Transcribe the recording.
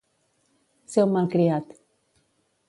Ser un malcriat.